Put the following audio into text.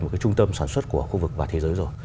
một cái trung tâm sản xuất của khu vực và thế giới rồi